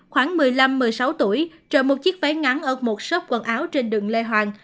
khoảng một mươi năm một mươi sáu tuổi trợ một chiếc váy ngắn ở một shop quần áo trên đường lê hoàng